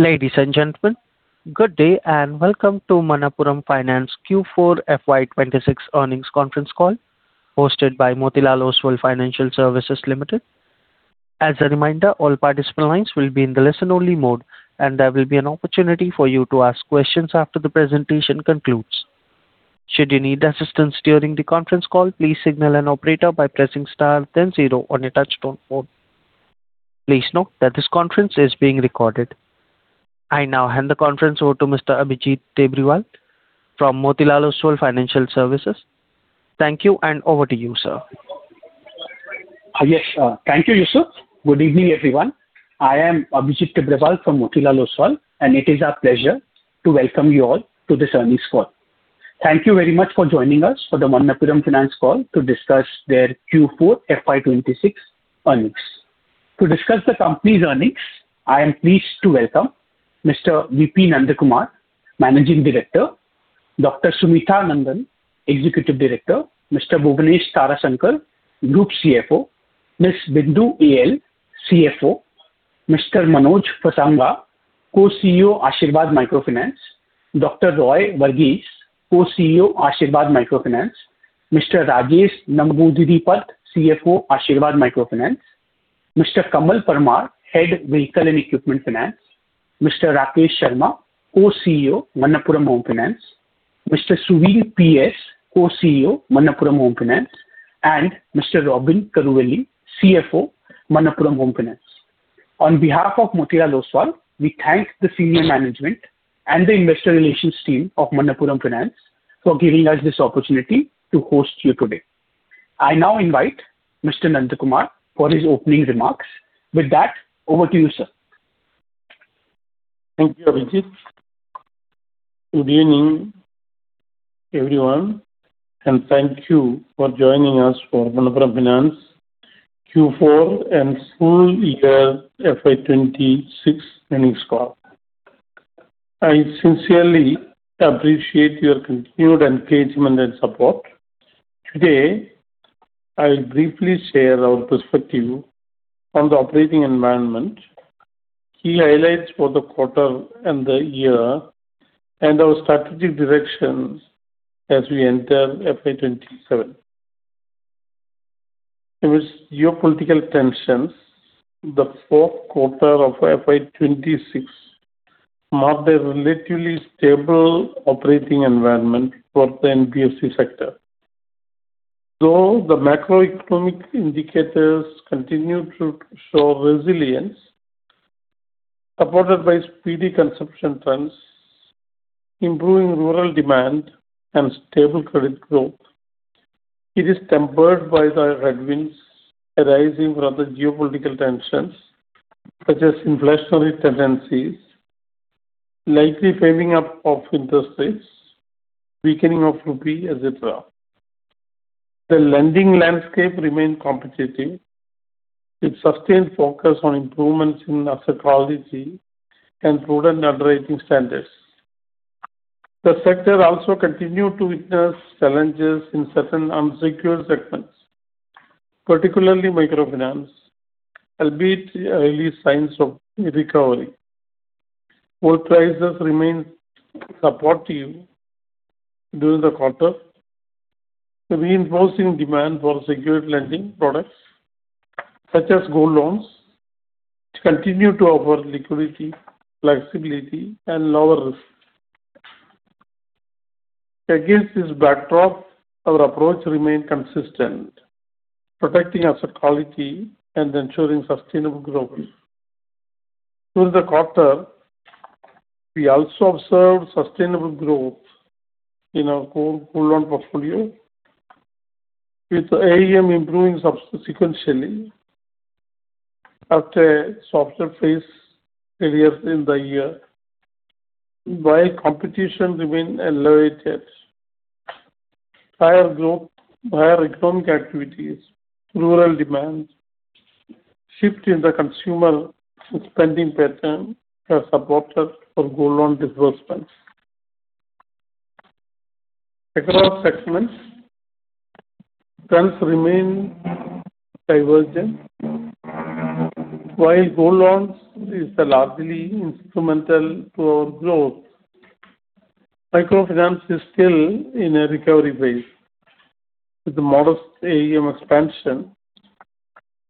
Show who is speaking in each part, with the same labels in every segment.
Speaker 1: Ladies and gentlemen, good day and welcome to Manappuram Finance Q4 FY 2026 earnings conference call hosted by Motilal Oswal Financial Services Limited. As a reminder, all participant lines will be in the listen-only mode, and there will be an opportunity for you to ask questions after the presentation concludes. Should you need assistance during the conference call, please signal an operator by pressing star then zero on your touch-tone phone. Please note that this conference is being recorded. I now hand the conference over to Mr. Abhijit Tibrewal from Motilal Oswal Financial Services. Thank you. Over to you, sir.
Speaker 2: Yes, thank you, Yusuf. Good evening, everyone. I am Abhijit Tibrewal from Motilal Oswal, and it is our pleasure to welcome you all to this earnings call. Thank you very much for joining us for the Manappuram Finance call to discuss their Q4 FY 2026 earnings. To discuss the company's earnings, I am pleased to welcome Mr. V.P. Nandakumar, Managing Director, Dr. Sumitha Nandan, Executive Director, Mr. Buvanesh Tharashankar, Group CFO, Ms. Bindu A.L., CFO, Mr. Manoj Pasangha, Co-CEO Asirvad Microfinance, Dr. Roy Varghese, Co-CEO Asirvad Microfinance, Mr. Rajesh Namboodiripad, CFO Asirvad Microfinance, Mr. Kamal Parmar, Head of Vehicle and Equipment Finance, Mr. Rakesh Sharma, Co-CEO Manappuram Home Finance, Mr. Suveen P.S., Co-CEO Manappuram Home Finance, and Mr. Robin Karuvely, CFO Manappuram Home Finance. On behalf of Motilal Oswal, we thank the senior management and the investor relations team of Manappuram Finance for giving us this opportunity to host you today. I now invite Mr. Nandakumar for his opening remarks. With that, over to you, sir.
Speaker 3: Thank you, Abhijit. Good evening, everyone, and thank you for joining us for Manappuram Finance Q4 and full year FY 2026 earnings call. I sincerely appreciate your continued engagement and support. Today, I'll briefly share our perspective on the operating environment, key highlights for the quarter and the year, and our strategic directions as we enter FY 2027. Amidst geopolitical tensions, the fourth quarter of FY 2026 marked a relatively stable operating environment for the NBFC sector. Though the macroeconomic indicators continue to show resilience, supported by speedy consumption trends, improving rural demand, and stable credit growth, it is tempered by the headwinds arising from the geopolitical tensions, such as inflationary tendencies, likely firming up of interest rates, weakening of rupee, et cetera. The lending landscape remained competitive with sustained focus on improvements in asset quality and prudent underwriting standards. The sector also continued to witness challenges in certain unsecured segments, particularly microfinance, albeit early signs of recovery. Gold prices remained supportive during the quarter, reinforcing demand for secured lending products such as gold loans, which continue to offer liquidity, flexibility, and lower risk. Against this backdrop, our approach remained consistent, protecting asset quality and ensuring sustainable growth. Through the quarter, we also observed sustainable growth in our gold loan portfolio, with AUM improving subsequently after a softer phase earlier in the year while competition remained elevated. Higher growth, higher economic activities, rural demand, shift in the consumer spending pattern has supported our gold loan disbursements. Across segments, trends remain divergent. While gold loans is largely instrumental to our growth, microfinance is still in a recovery phase with a modest AUM expansion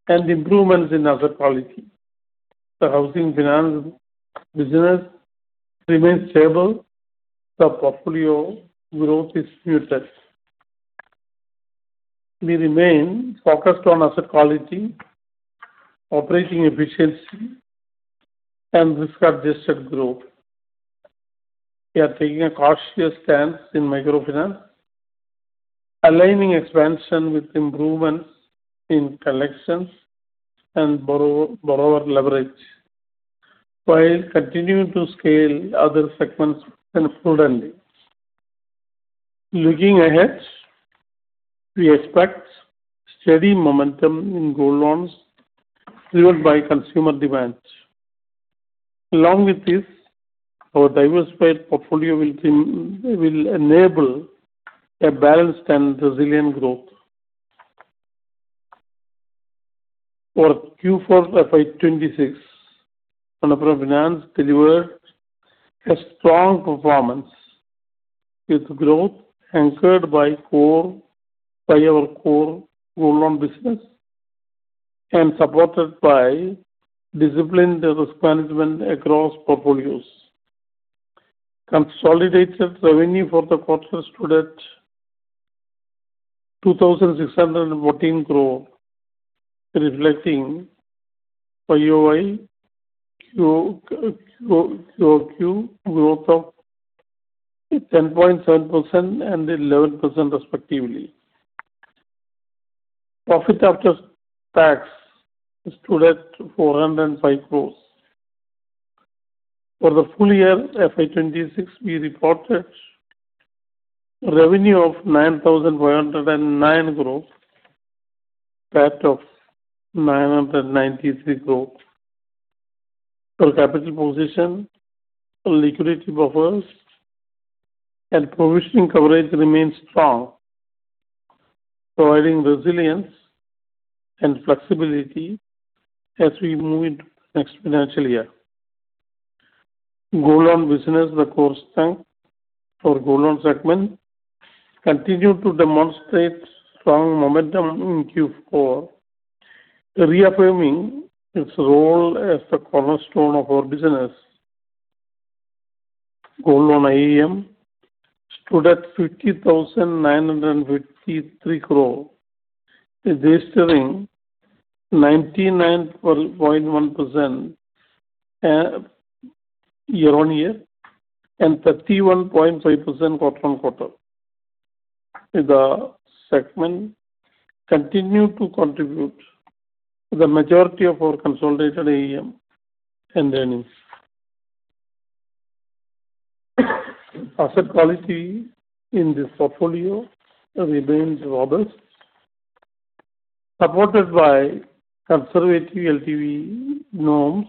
Speaker 3: and improvements in asset quality. The housing finance business remains stable. The portfolio growth is muted. We remain focused on asset quality, operating efficiency, and risk-adjusted growth. We are taking a cautious stance in microfinance, aligning expansion with improvements in collections and borrower leverage, while continuing to scale other segments prudently. Looking ahead, we expect steady momentum in gold loans fueled by consumer demand. Along with this, our diversified portfolio will enable a balanced and resilient growth. For Q4 FY 2026, Manappuram Finance delivered a strong performance with growth anchored by our core gold loan business and supported by disciplined risk management across portfolios. Consolidated revenue for the quarter stood at 2,614 crore, reflecting YoY QoQ growth of 10.7% and 11% respectively. Profit after tax stood at 405 crore. For the full year FY 2026, we reported revenue of 9,409 crore, PAT of 993 crore. Our capital position, liquidity buffers, and provisioning coverage remains strong, providing resilience and flexibility as we move into the next financial year. Gold loan business, the core strength for gold loan segment, continued to demonstrate strong momentum in Q4, reaffirming its role as the cornerstone of our business. Gold loan AUM stood at INR 50,953 crore, registering 99.1% year-on-year and 31.5% quarter-over-quarter. The segment continued to contribute the majority of our consolidated AUM and earnings. Asset quality in this portfolio remains robust, supported by conservative LTV norms,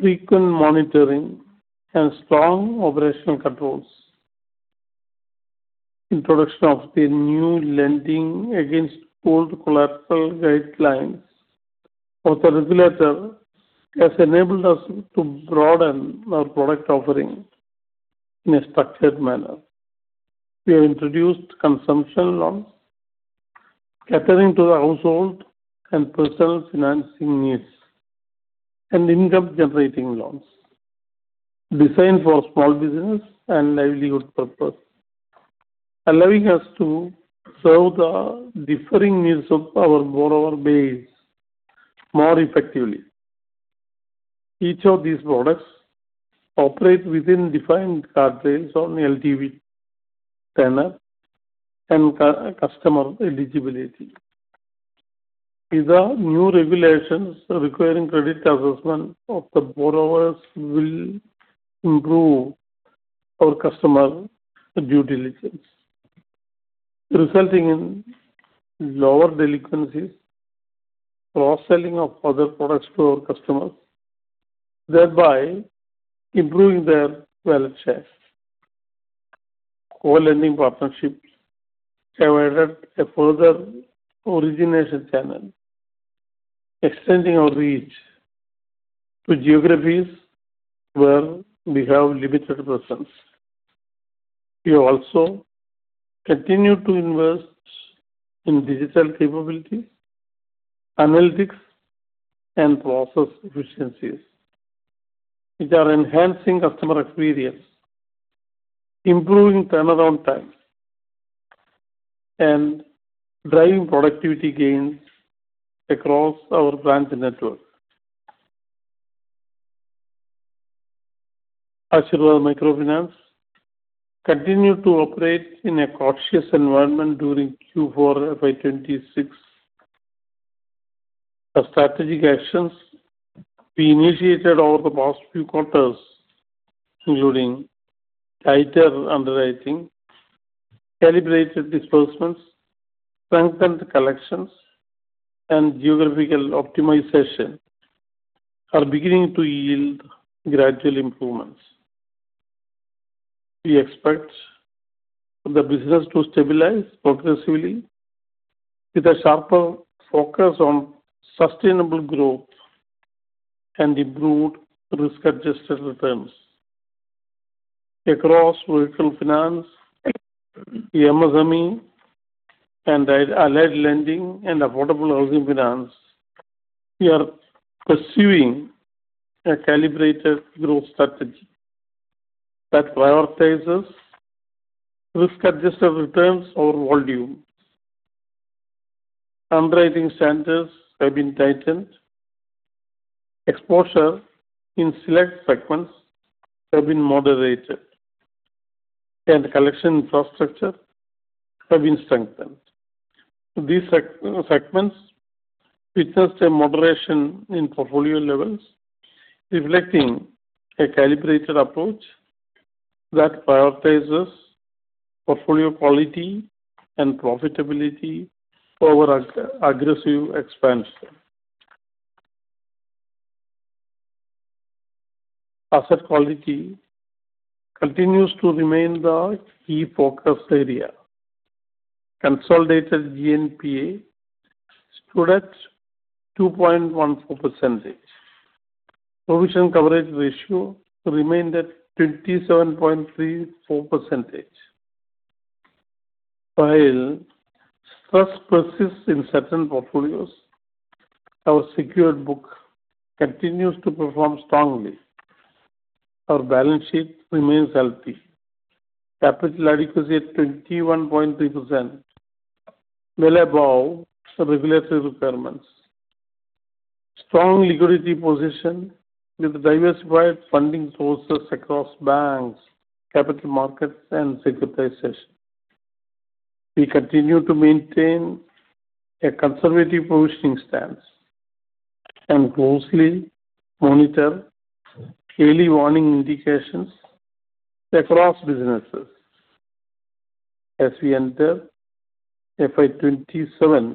Speaker 3: frequent monitoring, and strong operational controls. Introduction of the new lending against gold collateral guidelines of the regulator has enabled us to broaden our product offering in a structured manner. We have introduced consumption loans catering to the household and personal financing needs and income-generating loans designed for small business and livelihood purpose, allowing us to serve the differing needs of our borrower base more effectively. Each of these products operate within defined guardrails on LTV, tenure, and customer eligibility. These are new regulations requiring credit assessment of the borrowers will improve our customer due diligence, resulting in lower delinquencies, cross-selling of other products to our customers, thereby improving their welfare. Co-lending partnerships provided a further origination channel, extending our reach to geographies where we have limited presence. We have also continued to invest in digital capabilities, analytics, and process efficiencies, which are enhancing customer experience, improving turnaround times, and driving productivity gains across our branch network. Asirvad Microfinance continued to operate in a cautious environment during Q4 FY 2026. The strategic actions we initiated over the past few quarters, including tighter underwriting, calibrated disbursements, strengthened collections, and geographical optimization, are beginning to yield gradual improvements. We expect the business to stabilize progressively with a sharper focus on sustainable growth and improved risk-adjusted returns. Across vehicle finance, the MSME, and the allied lending and affordable housing finance, we are pursuing a calibrated growth strategy that prioritizes risk-adjusted returns over volumes. Underwriting standards have been tightened, exposure in select segments have been moderated, and collection infrastructure have been strengthened. These segments witnessed a moderation in portfolio levels, reflecting a calibrated approach that prioritizes portfolio quality and profitability over aggressive expansion. Asset quality continues to remain the key focus area. Consolidated GNPA stood at 2.14%. Provision coverage ratio remained at 27.34%. While stress persists in certain portfolios, our secured book continues to perform strongly. Our balance sheet remains healthy. Capital adequacy at 21.3%, well above the regulatory requirements. Strong liquidity position with diversified funding sources across banks, capital markets and securitization. We continue to maintain a conservative positioning stance and closely monitor early warning indications across businesses. As we enter FY 2027,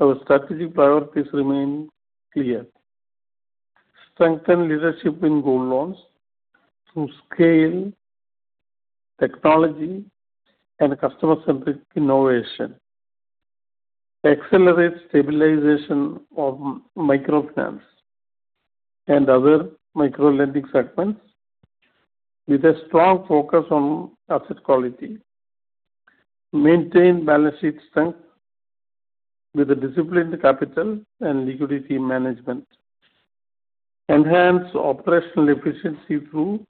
Speaker 3: our strategic priorities remain clear. Strengthen leadership in gold loans through scale, technology and customer-centric innovation. Accelerate stabilization of microfinance and other micro-lending segments with a strong focus on asset quality. Maintain balance sheet strength with a disciplined capital and liquidity management. Enhance operational efficiency through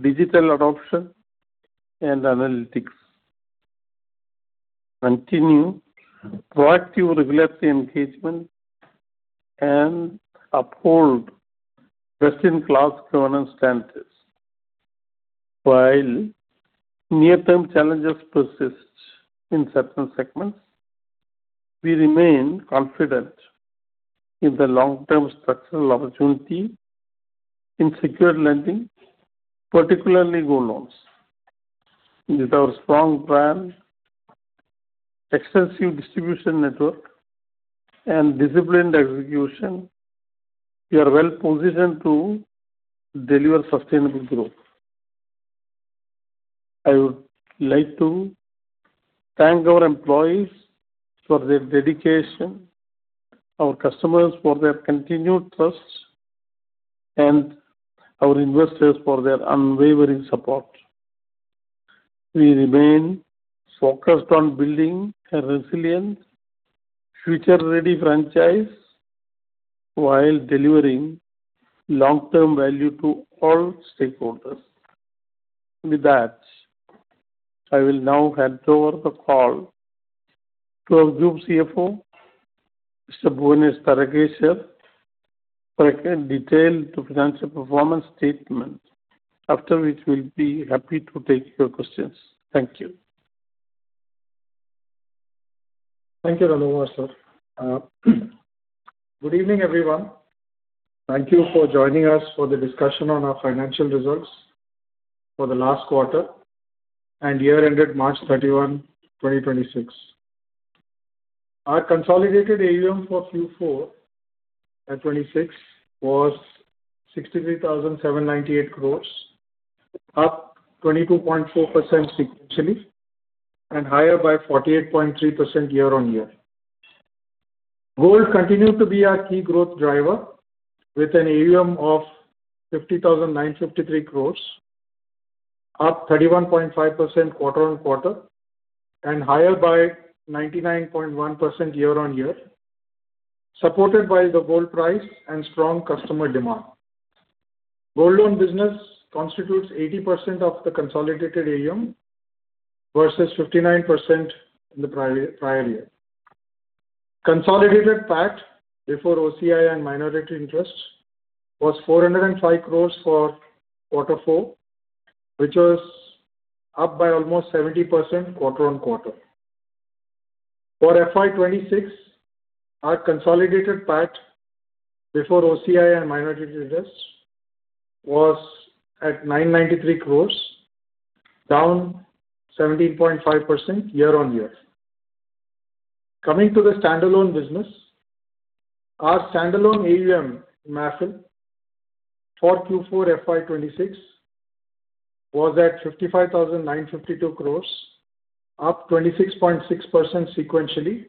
Speaker 3: digital adoption and analytics. Continue proactive regulatory engagement and uphold best-in-class governance standards. While near-term challenges persist in certain segments, we remain confident in the long-term structural opportunity in secured lending, particularly gold loans. With our strong brand, extensive distribution network, and disciplined execution, we are well-positioned to deliver sustainable growth. I would like to thank our employees for their dedication, our customers for their continued trust, and our investors for their unwavering support. We remain focused on building a resilient, future-ready franchise while delivering long-term value to all stakeholders. With that, I will now hand over the call to our Group CFO, Mr. Buvanesh Tharashankar, for a detailed financial performance statement. After which we'll be happy to take your questions. Thank you.
Speaker 4: Thank you, V.P. Nandakumar. Good evening, everyone. Thank you for joining us for the discussion on our financial results for the last quarter and year ended March 31, 2026. Our consolidated AUM for Q4 FY 2026 was INR 63,798 crores, up 22.4% sequentially and higher by 48.3% year-on-year. Gold continued to be our key growth driver with an AUM of 50,953 crores, up 31.5% quarter-on-quarter and higher by 99.1% year-on-year, supported by the gold price and strong customer demand. Gold loan business constitutes 80% of the consolidated AUM versus 59% in the prior year. Consolidated PAT before OCI and minority interest was 405 crores for quarter four, which was up by almost 70% quarter on quarter. For FY 2026, our consolidated PAT before OCI and minority interest was at 993 crores, down 17.5% year-on-year. Coming to the standalone business, our standalone AUM, MAFIL, for Q4 FY 2026 was at 55,952 crores, up 26.6% sequentially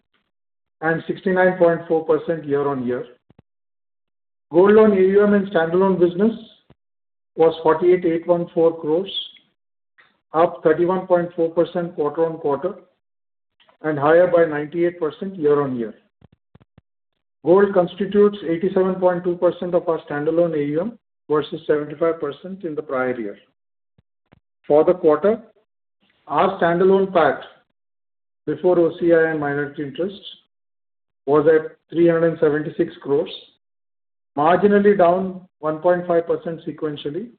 Speaker 4: and 69.4% year-on-year. Gold loan AUM in standalone business was 48,814 crores, up 31.4% quarter-on-quarter and higher by 98% year-on-year. Gold constitutes 87.2% of our standalone AUM versus 75% in the prior year. For the quarter, our standalone PAT before OCI and minority interest was at 376 crores, marginally down 1.5% sequentially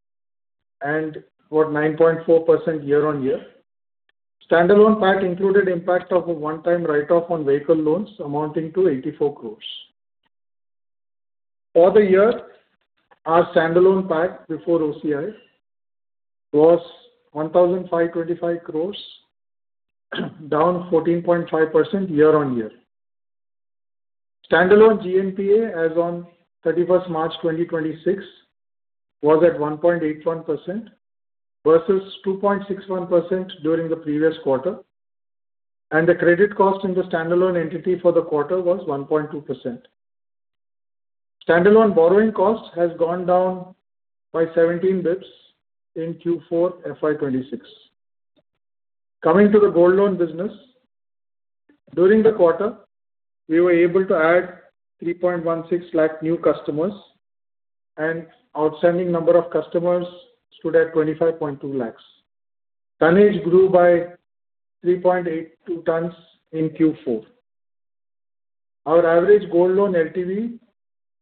Speaker 4: and about 9.4% year-on-year. Standalone PAT included impact of a one-time write-off on vehicle loans amounting to INR 84 crores. For the year, our standalone PAT before OCI was 1,525 crores, down 14.5% year-on-year. Standalone GNPA as on 31st March 2026 was at 1.81% versus 2.61% during the previous quarter, and the credit cost in the standalone entity for the quarter was 1.2%. Standalone borrowing cost has gone down by 17 basis points in Q4 FY 2026. Coming to the gold loan business. During the quarter, we were able to add 3.16 lakh new customers and outstanding number of customers stood at 25.2 lakhs. Tonnage grew by 3.82 tons in Q4. Our average gold loan LTV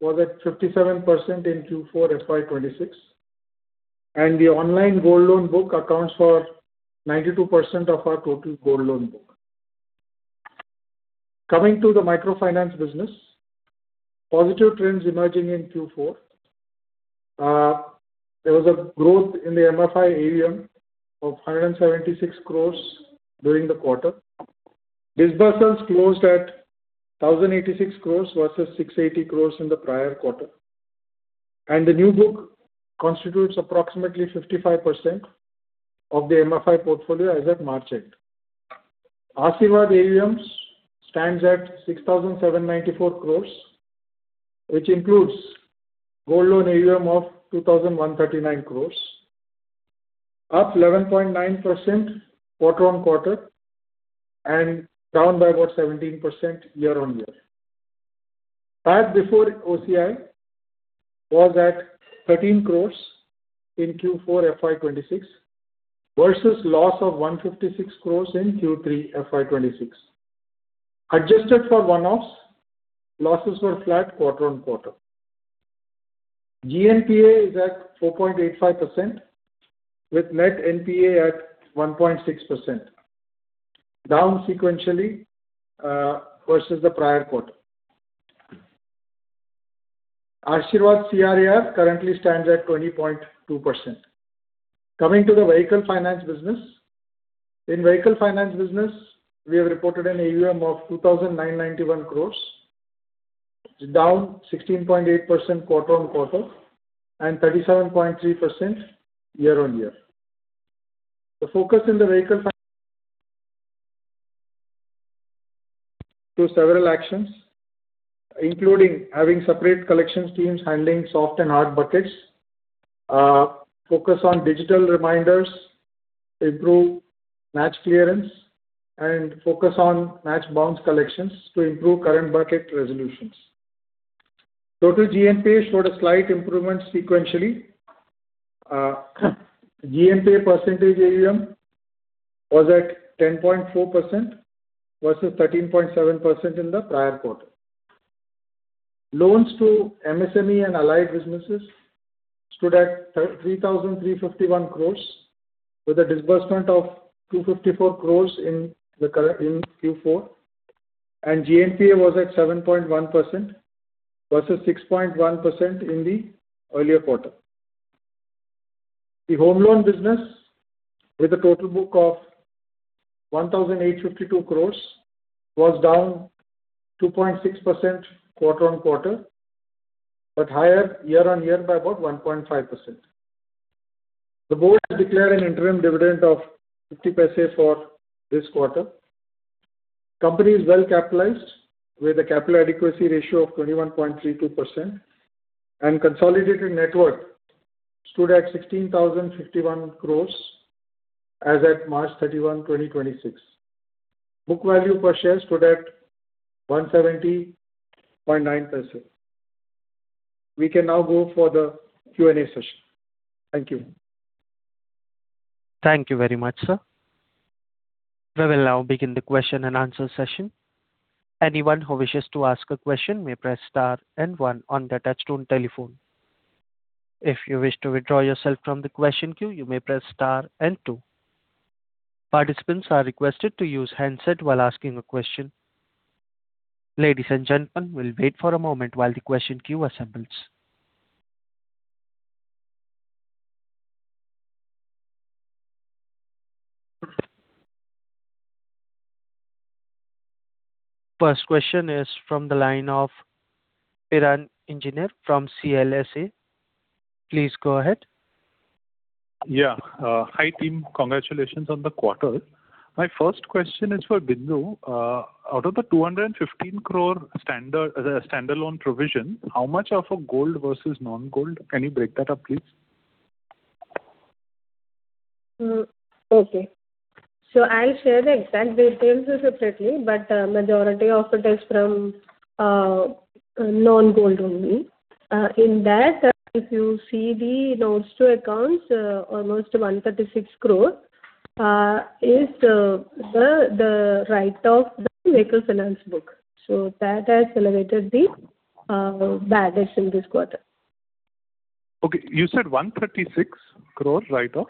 Speaker 4: was at 57% in Q4 FY 2026, and the online gold loan book accounts for 92% of our total gold loan book. Coming to the microfinance business, positive trends emerging in Q4. There was a growth in the MFI AUM of 176 crores during the quarter. Disbursements closed at 1,086 crores versus 680 crores in the prior quarter. The new book constitutes approximately 55% of the MFI portfolio as at March end. Asirvad AUMs stands at 6,794 crores, which includes gold loan AUM of 2,139 crores, up 11.9% QoQ and down by about 17% YoY. PAT before OCI was at 13 crores in Q4 FY 2026 versus loss of 156 crores in Q3 FY 2026. Adjusted for one-offs, losses were flat quarter-on-quarter. GNPA is at 4.85% with net NPA at 1.6%, down sequentially, versus the prior quarter. Asirvad CRAR currently stands at 20.2%. Coming to the vehicle finance business. In vehicle finance business, we have reported an AUM of 2,991 crores. It's down 16.8% quarter-on-quarter and 37.3% year-on-year. The focus in the vehicle [inaudible] to several actions, including having separate collections teams handling soft and hard buckets, focus on digital reminders, improve match clearance, and focus on match bounce collections to improve current bucket resolutions. Total GNPA showed a slight improvement sequentially. GNPA percentage AUM was at 10.4% versus 13.7% in the prior quarter. Loans to MSME and allied businesses stood at 3,351 crores with a disbursement of 254 crores in the current, in Q4. GNPA was at 7.1% versus 6.1% in the earlier quarter. The home loan business, with a total book of 1,852 crores, was down 2.6% quarter-on-quarter, but higher year-on-year by about 1.5%. The board has declared an interim dividend of 0.50 for this quarter. Company is well-capitalized with a capital adequacy ratio of 21.32%, and consolidated net worth stood at 16,051 crores as at March 31, 2026. Book value per share stood at INR 1.709. We can now go for the Q&A session. Thank you.
Speaker 1: Thank you very much, sir. We will now begin the question and answer session. Anyone who wishes to ask a question may press star and one on their touchtone telephone. If you wish to withdraw yourself from the question queue, you may press star and two. Participants are requested to use handset while asking a question. Ladies and gentlemen, we will wait for a moment while the question queue assembles. First question is from the line of Piran Engineer from CLSA. Please go ahead.
Speaker 5: Hi, team. Congratulations on the quarter. My first question is for Bindu. Out of the 215 crore standalone provision, how much are for gold versus non-gold? Can you break that up, please?
Speaker 6: Okay. I'll share the exact details separately, but majority of it is from non-gold only. In that, if you see the notes to accounts, almost 136 crore is the write-off the vehicle finance book. That has elevated the bad debts in this quarter.
Speaker 5: Okay. You said 136 crore write-off?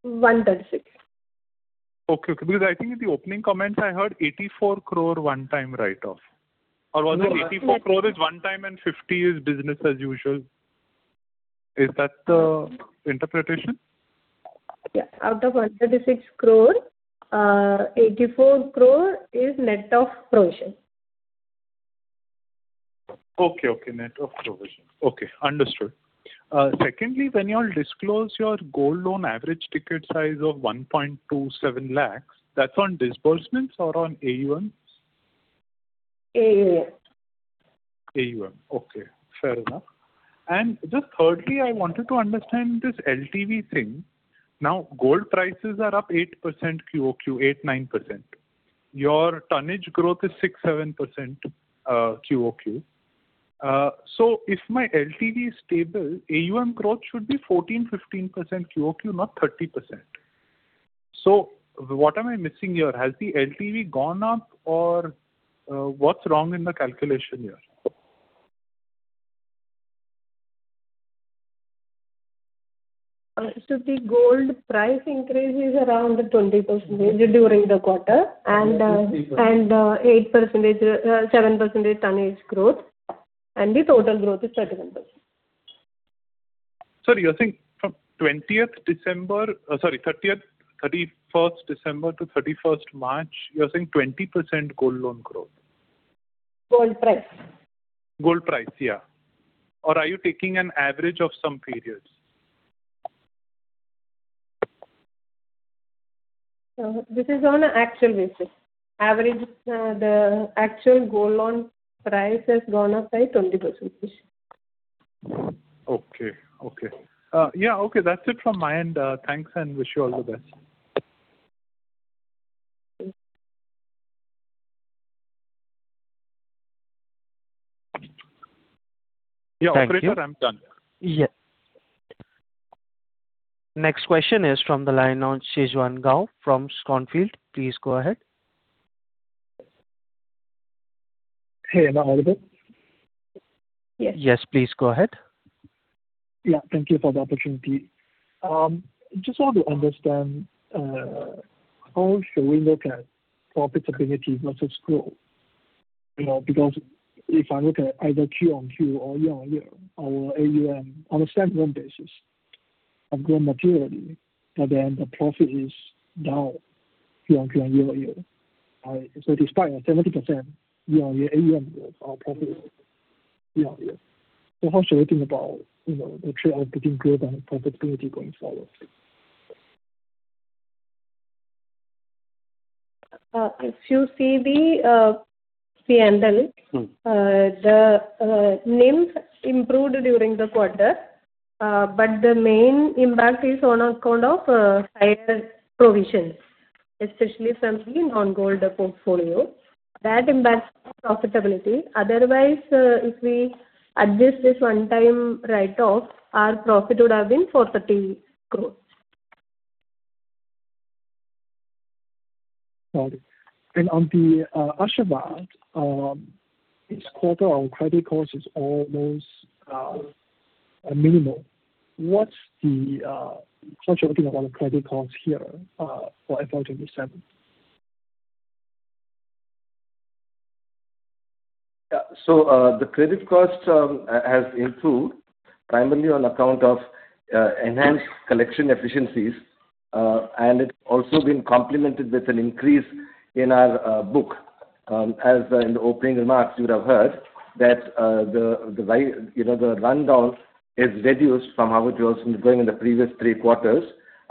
Speaker 6: 136.
Speaker 5: Okay, okay. I think in the opening comments I heard 84 crore one-time write-off. Was it 84 crore is one-time and 50 is business as usual?
Speaker 4: Is that the interpretation?
Speaker 6: Yeah. Out of 136 crore, 84 crore is net of provision.
Speaker 5: Okay, okay. Net of provision. Okay, understood. Secondly, when you all disclose your gold loan average ticket size of 1.27 lakhs, that's on disbursements or on AUMs?
Speaker 6: AUM.
Speaker 5: AUM. Okay, fair enough. Thirdly, I wanted to understand this LTV thing. Gold prices are up 8% QoQ, 8%-9%. Your tonnage growth is 6%-7% QoQ. If my LTV is stable, AUM growth should be 14%-15% QoQ, not 30%. What am I missing here? Has the LTV gone up or what's wrong in the calculation here?
Speaker 6: The gold price increase is around 20% during the quarter.
Speaker 5: Yes.
Speaker 6: 8%, 7% tonnage growth, and the total growth is 13%.
Speaker 5: Sorry, you're saying from 20th December, sorry, 30th, 31st December to 31st March, you're saying 20% gold loan growth?
Speaker 6: Gold price.
Speaker 5: Gold price, yeah. Are you taking an average of some periods?
Speaker 6: This is on an actual basis. Average, the actual gold loan price has gone up by 20%.
Speaker 5: Okay. Okay. yeah, okay. That's it from my end. thanks and wish you all the best.
Speaker 6: Thank you.
Speaker 5: Yeah, operator, I'm done.
Speaker 1: Yeah. Next question is from the line of Zhixuan Gao from Schonfeld. Please go ahead.
Speaker 7: Hey, am I audible?
Speaker 1: Yes, please go ahead.
Speaker 7: Thank you for the opportunity. I just want to understand how should we look at profitability versus growth? If I look at either QoQ or year-over-year, our AUM on a same loan basis have grown materially, the profit is down year-over-year and year-over-year. Despite a 70% year-over-year AUM growth, our profit is down year-over-year. How should we think about, you know, the trade-off between growth and profitability going forward?
Speaker 6: If you see the PNL.
Speaker 7: Mm-hmm.
Speaker 6: The NIM improved during the quarter. The main impact is on account of higher provisions, especially from the non-gold portfolio. That impacts profitability. Otherwise, if we adjust this one-time write-off, our profit would have been 40 crore.
Speaker 7: Got it. On the Asirvad this quarter our credit cost is almost minimal. How should we think about the credit cost here for FY 2027?
Speaker 8: Yeah. The credit cost has improved primarily on account of enhanced collection efficiencies, and it also been complemented with an increase in our book. As in the opening remarks you would have heard that, the, you know, the rundown is reduced from how it was going in the previous three quarters.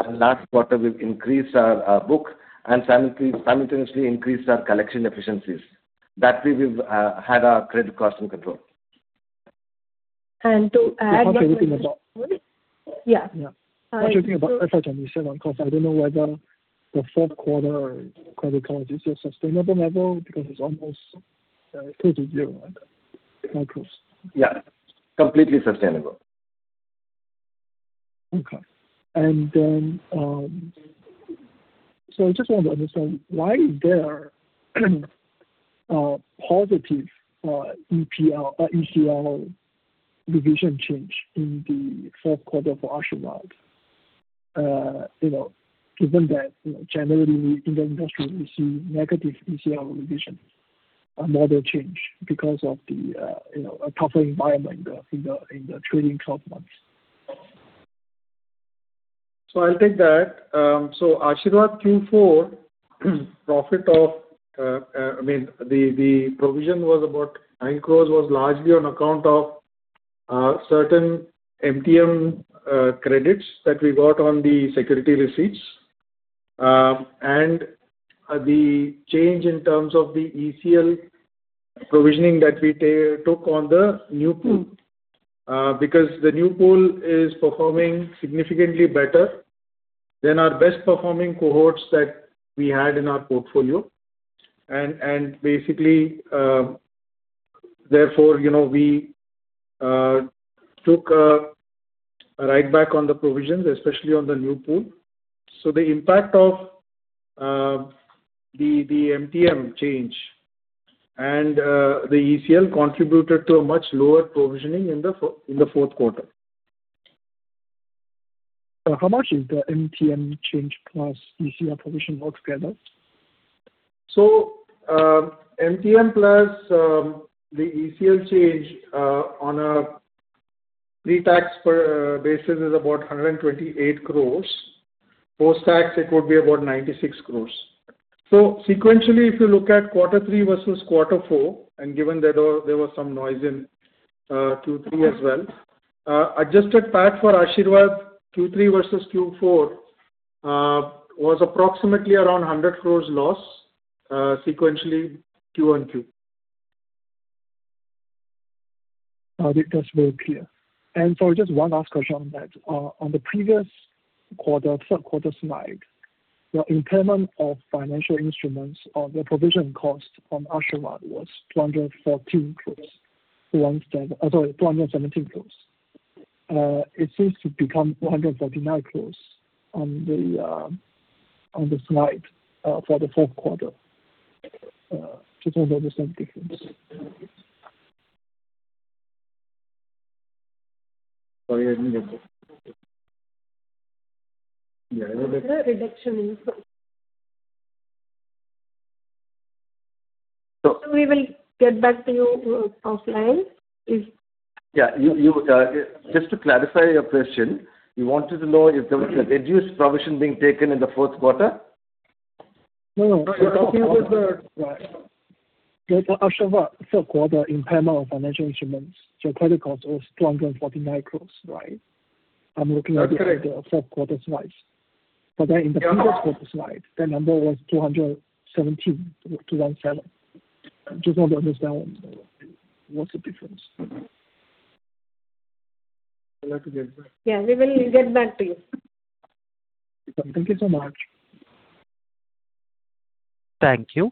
Speaker 8: Last quarter we've increased our book and simultaneously increased our collection efficiencies. That way we've had our credit cost in control.
Speaker 6: And to add-
Speaker 7: How should we think about?
Speaker 6: Yeah.
Speaker 7: Yeah.
Speaker 6: Uh, so-
Speaker 7: How should we think about FY 2027? 'Cause I don't know whether the fourth quarter credit cost is your sustainable level because it's almost close to zero, right? Crores.
Speaker 8: Yeah. Completely sustainable.
Speaker 7: Okay. I just want to understand why is there positive ECL revision change in the fourth quarter for Asirvad, you know, given that, you know, generally in the industry we see negative ECL revision model change because of the, you know, a tougher environment in the trading 12 months.
Speaker 4: I'll take that. Asirvad Q4 profit of, I mean, the provision was about 9 crores, was largely on account of certain MTM credits that we got on the security receipts. And the change in terms of the ECL provisioning that we took on the new pool. Because the new pool is performing significantly better than our best performing cohorts that we had in our portfolio. And basically, therefore, you know, we took a writeback on the provisions, especially on the new pool. The impact of the MTM change and the ECL contributed to a much lower provisioning in the fourth quarter.
Speaker 7: How much is the MTM change plus ECL provision altogether?
Speaker 4: MTM plus the ECL change on a pretax basis is about 128 crores. Post-tax it would be about 96 crores. Sequentially, if you look at quarter three versus quarter four, and given that there was some noise in Q3 as well, adjusted PAT for Asirvad Q3 versus Q4 was approximately around 100 crores loss sequentially Q on Q.
Speaker 7: That's very clear. Just one last question on that. On the previous quarter, third quarter slide, your impairment of financial instruments or the provision cost on Asirvad was 214 crores. 217, sorry, 217 crores. It seems to become 249 crores on the, on the slide, for the fourth quarter. Just want to understand the difference.
Speaker 4: Sorry, I didn't get that. Yeah.
Speaker 6: The reduction in...
Speaker 4: So-
Speaker 6: We will get back to you, offline.
Speaker 4: Yeah. You just to clarify your question, you wanted to know if there was a reduced provision being taken in the fourth quarter?
Speaker 7: No, no. We're talking about the Asirvad third quarter impairment of financial instruments. Your credit cost was 249 crores, right?
Speaker 4: That's correct.
Speaker 7: third quarter slide. In the previous quarter slide, the number was 217. 217. Just want to understand what's the difference.
Speaker 4: We'll have to get back.
Speaker 6: Yeah, we will get back to you.
Speaker 7: Thank you so much.
Speaker 1: Thank you.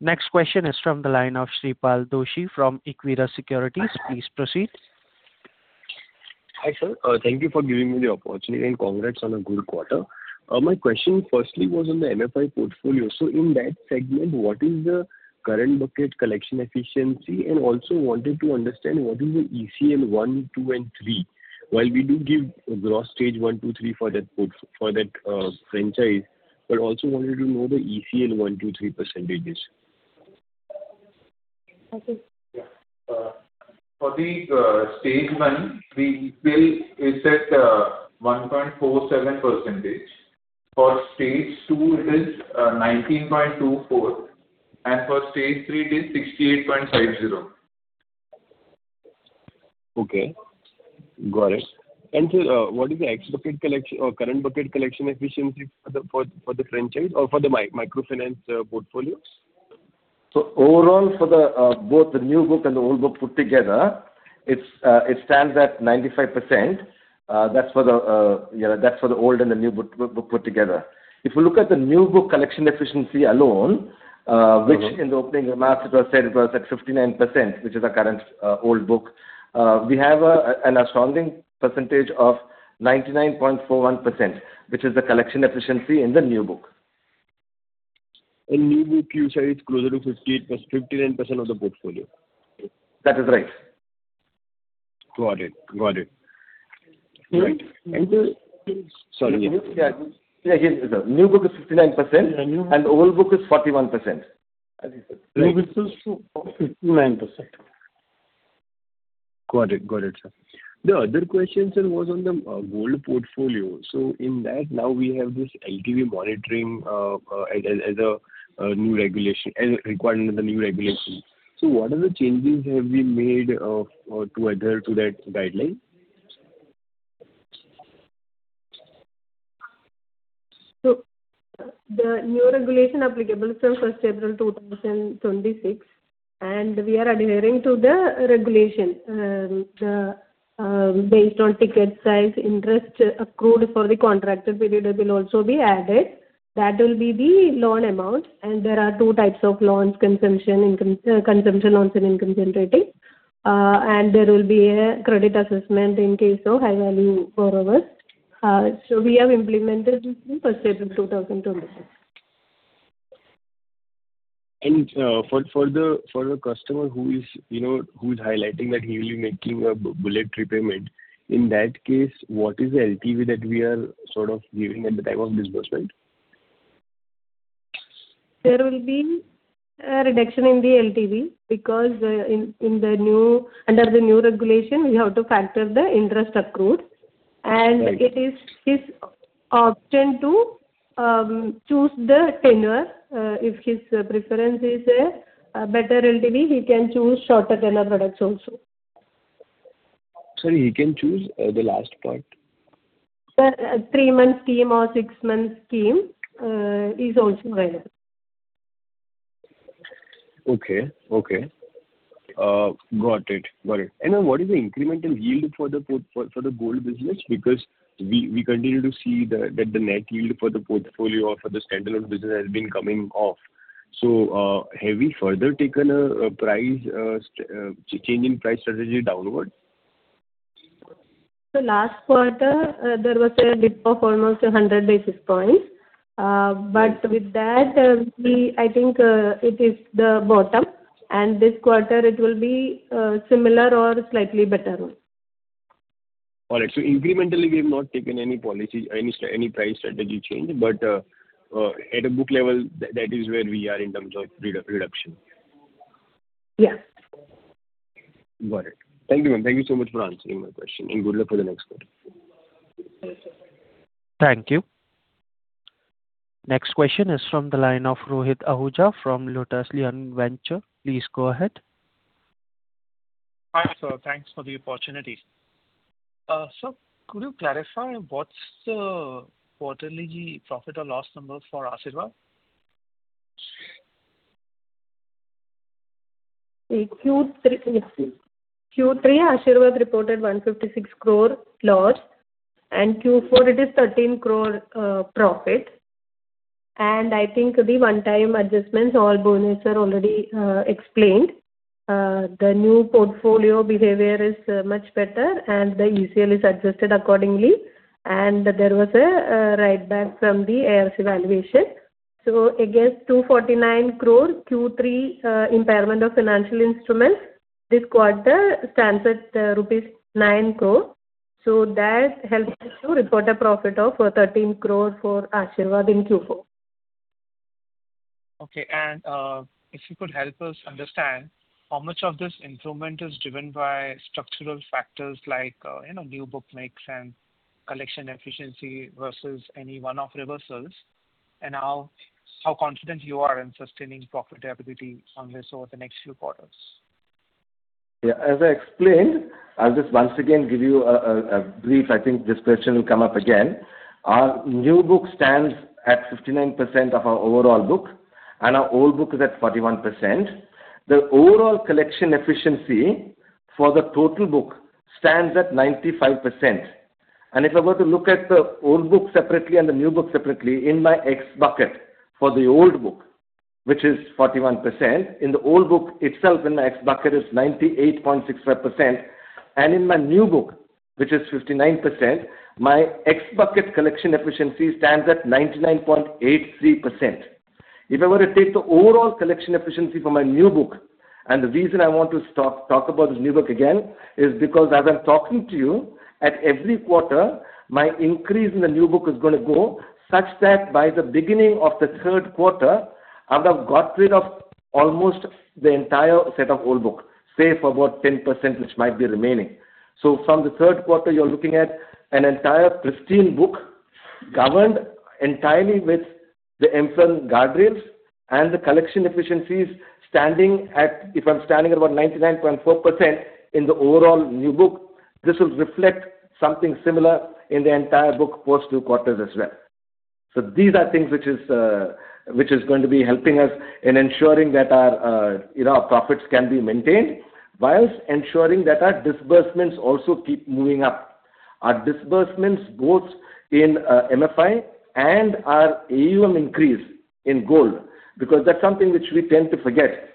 Speaker 1: Next question is from the line of Shreepal Doshi from Equirus Securities. Please proceed.
Speaker 9: Hi, sir. Thank you for giving me the opportunity, and congrats on a good quarter. My question firstly was on the MFI portfolio. In that segment, what is the current bucket collection efficiency? Also wanted to understand what is the ECL 1, 2, and 3. While we do give gross stage 1, 2, 3 for that franchise, but also wanted to know the ECL 1, 2, 3 percentages.
Speaker 6: Okay.
Speaker 4: Yeah. For the stage 1, it's at 1.47%. For stage 2 it is 19.24%. For stage 3 it is 68.50%.
Speaker 9: Okay. Got it. Sir, what is the ex-bucket collection or current bucket collection efficiency for the franchise or for the microfinance portfolios?
Speaker 4: Overall for the both the new book and the old book put together, it stands at 95%. That's for the, you know, that's for the old and the new book put together. If you look at the new book collection efficiency alone,
Speaker 9: Mm-hmm.
Speaker 4: which in the opening remarks it was said it was at 59%, which is our current, old book. We have a, an astounding percentage of 99.41%, which is the collection efficiency in the new book.
Speaker 9: In new book you said it's closer to 59% of the portfolio.
Speaker 4: That is right.
Speaker 9: Got it. Got it.
Speaker 4: Right.
Speaker 9: Sorry.
Speaker 4: Yeah. Yeah. New book is 59%.
Speaker 9: Yeah.
Speaker 4: old book is 41%.
Speaker 9: New book is 59%. Got it. Got it, sir. The other question, sir, was on the gold portfolio. In that now we have this LTV monitoring as a new regulation, as a requirement of the new regulation. What are the changes have been made to adhere to that guideline?
Speaker 6: The new regulation applicable from April 1, 2026, and we are adhering to the regulation. Based on ticket size interest accrued for the contracted period will also be added. That will be the loan amount. There are two types of loans, consumption income, consumption loans and income generating. There will be a credit assessment in case of high-value borrowers. We have implemented this since April 1, 2026.
Speaker 9: For, for the, for a customer who is, you know, who is highlighting that he will be making a bullet repayment, in that case what is the LTV that we are sort of giving at the time of disbursement?
Speaker 6: There will be a reduction in the LTV because, in the new, under the new regulation we have to factor the interest accrued.
Speaker 9: Right.
Speaker 6: It is his option to choose the tenure. If his preference is a better LTV, he can choose shorter tenure products also.
Speaker 9: Sorry, he can choose the last point.
Speaker 6: Sir, three-month scheme or six-month scheme, is also available.
Speaker 9: Okay. Okay. Got it. Got it. What is the incremental yield for the gold business? We continue to see the net yield for the portfolio or for the standalone business has been coming off. Have we further taken a price change in price strategy downward?
Speaker 6: Last quarter, there was a dip of almost 100 basis points. With that, I think it is the bottom, and this quarter it will be similar or slightly better.
Speaker 4: All right. Incrementally we have not taken any policy, any price strategy change, but at a book level that is where we are in terms of reduction.
Speaker 6: Yeah.
Speaker 9: Got it. Thank you, ma'am. Thank you so much for answering my question, and good luck for the next quarter.
Speaker 6: Thank you.
Speaker 1: Thank you. Next question is from the line of Rohit Ahuja from Lotuslion Venture. Please go ahead.
Speaker 10: Hi, sir. Thanks for the opportunity. Sir, could you clarify what's the quarterly profit or loss numbers for Asirvad?
Speaker 6: In Q3, excuse me, Q3 Asirvad reported 156 crore loss and Q4 it is 13 crore profit. I think the one-time adjustments or bonus are already explained. The new portfolio behavior is much better and the ECL is adjusted accordingly and there was a write back from the ARC evaluation. Against 249 crore Q3 impairment of financial instruments this quarter stands at rupees 9 crore. That helped us to report a profit of 13 crore for Asirvad in Q4.
Speaker 10: Okay. If you could help us understand how much of this improvement is driven by structural factors like, you know, new book mix and collection efficiency versus any one-off reversals? How confident you are in sustaining profitability on this over the next few quarters?
Speaker 8: Yeah. As I explained, I'll just once again give you a brief, I think this question will come up again. Our new book stands at 59% of our overall book, our old book is at 41%. The overall collection efficiency for the total book stands at 95%. If I were to look at the old book separately and the new book separately in my X bucket for the old book, which is 41%, in the old book itself in my X bucket is 98.65%. In my new book, which is 59%, my X bucket collection efficiency stands at 99.83%. If I were to take the overall collection efficiency for my new book, the reason I want to stop talk about this new book again is because as I'm talking to you at every quarter, my increase in the new book is gonna go such that by the beginning of the third quarter, I would have got rid of almost the entire set of old book, save for about 10% which might be remaining. From the third quarter you're looking at an entire pristine book governed entirely with the MFIN guardrails and the collection efficiencies standing at, if I'm standing at about 99.4% in the overall new book, this will reflect something similar in the entire book post two quarters as well. These are things which is going to be helping us in ensuring that our, you know, our profits can be maintained whilst ensuring that our disbursements also keep moving up. Our disbursements both in MFI and our AUM increase in gold, because that's something which we tend to forget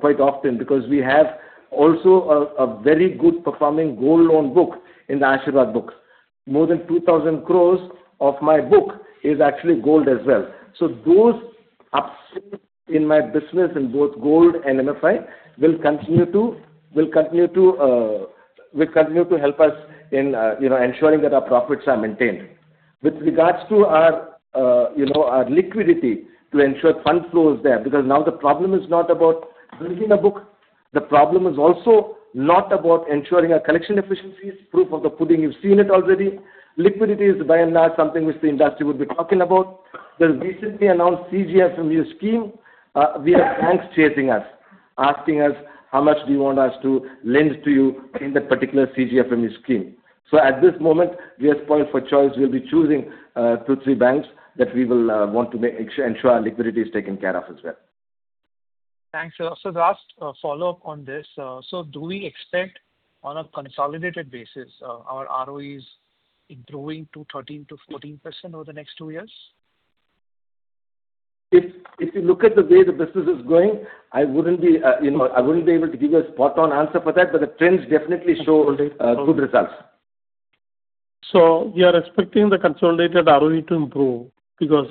Speaker 8: quite often because we have also a very good performing gold loan book in the Asirvad books. More than 2,000 crores of my book is actually gold as well. Those ups in my business in both gold and MFI will continue to help us in, you know, ensuring that our profits are maintained. With regards to our, you know, our liquidity to ensure fund flow is there because now the problem is not about building a book, the problem is also not about ensuring our collection efficiencies. Proof of the pudding, you have seen it already. Liquidity is by and large something which the industry would be talking about. The recently announced CGFMU scheme, we have banks chasing us, asking us how much do you want us to lend to you in that particular CGFMU scheme. At this moment, we are spoiled for choice. We will be choosing two, three banks that we will want to ensure our liquidity is taken care of as well.
Speaker 10: Thanks, sir. The last follow-up on this. Do we expect on a consolidated basis, our ROEs improving to 13%-14% over the next two years?
Speaker 8: If you look at the way the business is going, I wouldn't be, you know, I wouldn't be able to give you a spot on answer for that, but the trends definitely show.
Speaker 10: Consolidated
Speaker 8: Good results.
Speaker 3: We are expecting the consolidated ROE to improve because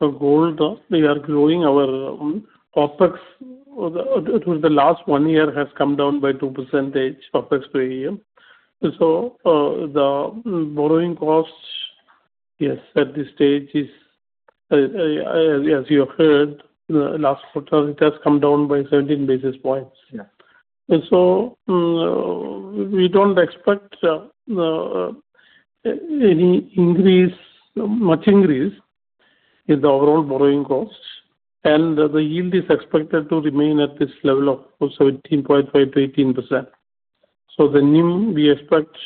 Speaker 3: the gold, we are growing our OPEX. The it was the last one year has come down by 2%, OPEX to AUM. The borrowing costs, yes, at this stage is as you have heard, last quarter it has come down by 17 basis points.
Speaker 10: Yeah.
Speaker 3: We don't expect any increase, much increase in the overall borrowing costs and the yield is expected to remain at this level of 17.5%-18%. The NIM we expect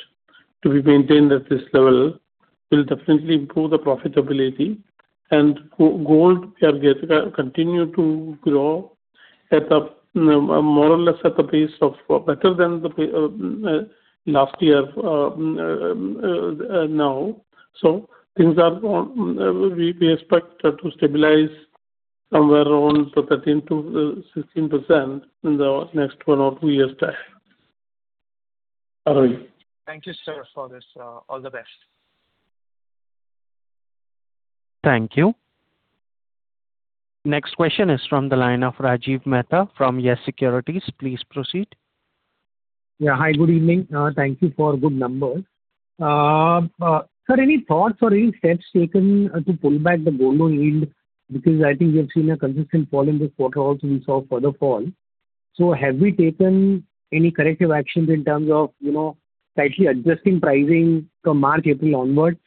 Speaker 3: to be maintained at this level will definitely improve the profitability. Gold we are continue to grow at a more or less at the pace of better than the pace of last year now. Things are on, we expect to stabilize somewhere around sort of 13%-16% in the next one or two years' time.
Speaker 10: Thank you, sir, for this. All the best.
Speaker 1: Thank you. Next question is from the line of Rajiv Mehta from Yes Securities. Please proceed.
Speaker 11: Yeah. Hi, good evening. Thank you for good numbers. Sir, any thoughts or any steps taken to pull back the gold loan yield because I think we have seen a consistent fall in this quarter also we saw further fall. Have we taken any corrective actions in terms of, you know, slightly adjusting pricing from March, April onwards?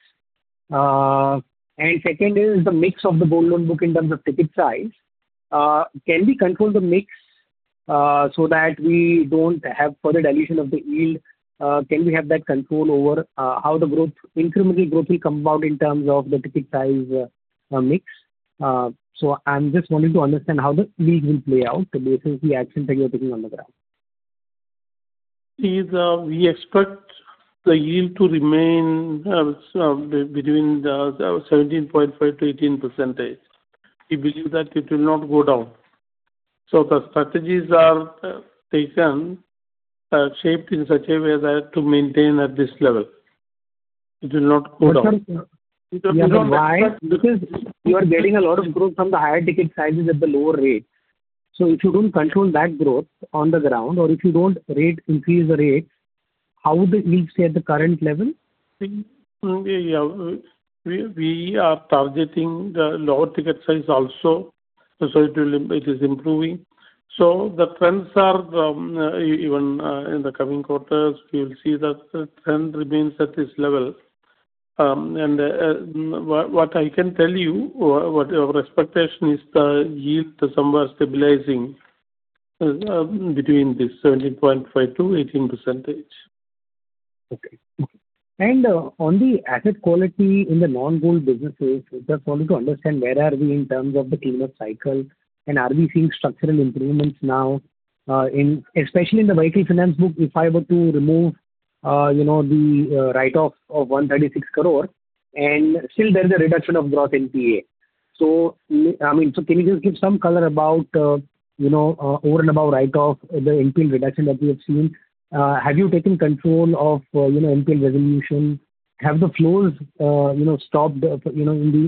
Speaker 11: Second is the mix of the gold loan book in terms of ticket size. Can we control the mix so that we don't have further dilution of the yield? Can we have that control over how the growth, incremental growth will compound in terms of the ticket size mix? I'm just wanting to understand how the yield will play out based on the action that you're taking on the ground.
Speaker 3: We expect the yield to remain, so between the 17.5%-18%. We believe that it will not go down. The strategies are, taken, shaped in such a way that to maintain at this level. It will not go down.
Speaker 11: Sir.
Speaker 3: It will not go down.
Speaker 11: You are getting a lot of growth from the higher ticket sizes at the lower rate. If you don't control that growth on the ground or if you don't rate, increase the rate, how would the yield stay at the current level?
Speaker 3: Yeah. We are targeting the lower ticket size also, so it is improving. The trends are even in the coming quarters, we will see that the trend remains at this level. What I can tell you or what our expectation is the yield somewhere stabilizing between this 17.5% to 18%.
Speaker 11: Okay. On the asset quality in the non-gold businesses, just wanting to understand where are we in terms of the cleanup cycle and are we seeing structural improvements now, especially in the vehicle finance book, if I were to remove, you know, the write-off of 136 crore and still there's a reduction of gross NPA. I mean, can you just give some color about, you know, over and above write-off the NPA reduction that we have seen? Have you taken control of, you know, NPA resolution? Have the flows, you know, stopped, you know,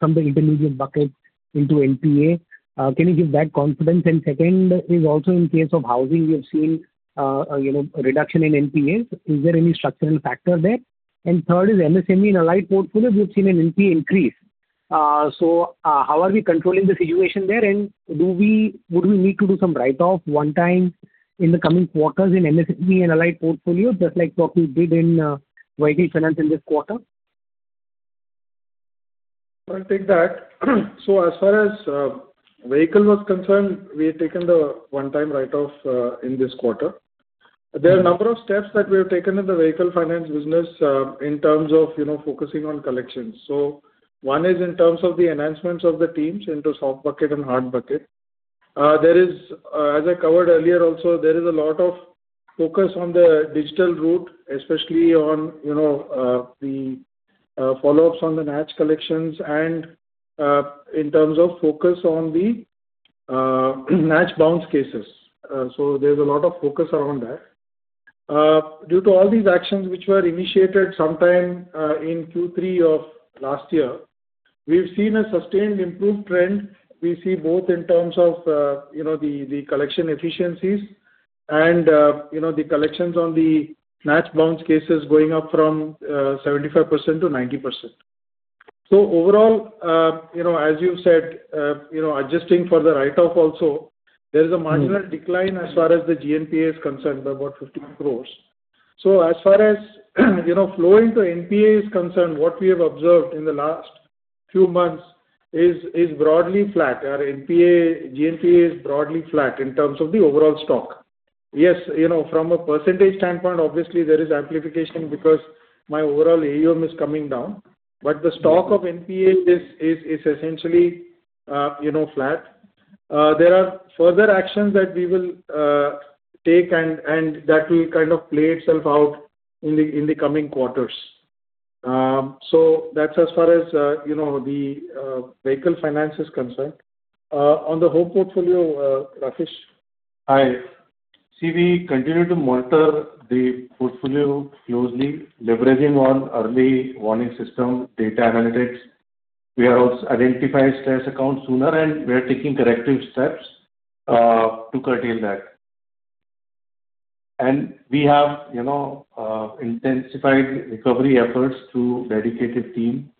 Speaker 11: from the intermediate buckets into NPA? Can you give that confidence? Second is also in case of housing, we have seen, you know, reduction in NPAs. Is there any structural factor there? Third is MSME and allied portfolios, we've seen an NPA increase. How are we controlling the situation there? Do we, would we need to do some write-off one time in the coming quarters in MSME and allied portfolio, just like what we did in vehicle finance in this quarter?
Speaker 4: I'll take that. As far as vehicle was concerned, we had taken the one-time write-off in this quarter. There are a number of steps that we have taken in the vehicle finance business, in terms of, you know, focusing on collections. One is in terms of the enhancements of the teams into soft bucket and hard bucket. There is, as I covered earlier also, there is a lot of focus on the digital route, especially on, you know, the follow-ups on the match collections and in terms of focus on the match bounce cases. There's a lot of focus around that. Due to all these actions which were initiated sometime in Q3 of last year, we've seen a sustained improved trend. We see both in terms of, you know, the collection efficiencies and, you know, the collections on the match bounce cases going up from 75% to 90%. Overall, you know, as you said, you know, adjusting for the write-off also, there is a marginal decline as far as the GNPA is concerned by about 50 crores. As far as, you know, flowing to NPA is concerned, what we have observed in the last few months is broadly flat. Our NPA, GNPA is broadly flat in terms of the overall stock. Yes, you know, from a percentage standpoint, obviously there is amplification because my overall AUM is coming down. The stock of NPA is essentially, you know, flat. There are further actions that we will take and that will kind of play itself out in the coming quarters. That's as far as, you know, the vehicle finance is concerned. On the home portfolio, Rajesh.
Speaker 12: Hi. See, we continue to monitor the portfolio closely, leveraging on early warning system, data analytics. We have also identified stress accounts sooner, and we are taking corrective steps to curtail that. We have, you know, intensified recovery efforts through dedicated team.